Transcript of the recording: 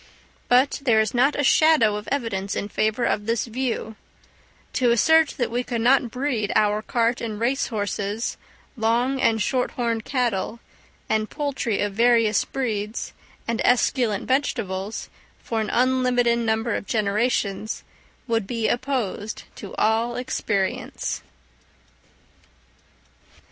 But there is not a shadow of evidence in favour of this view: to assert that we could not breed our cart and race horses, long and short horned cattle, and poultry of various breeds, and esculent vegetables, for an unlimited number of generations, would be opposed to all experience.